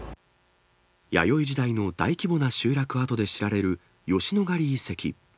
弥生時代の大規模な集落跡で知られる吉野ヶ里遺跡。